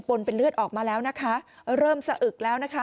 นเป็นเลือดออกมาแล้วนะคะเริ่มสะอึกแล้วนะคะ